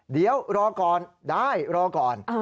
เดี๋ยวรอก่อนได้รอก่อน